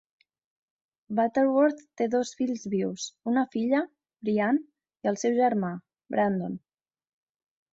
Butterworth té dos fills vius, una filla, BreAnne, i el seu germà, Brandon.